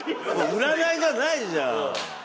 占いじゃないじゃん。